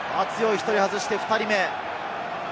１人外して２人目。